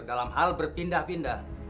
dalam hal berpindah pindah